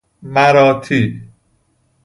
مرآتی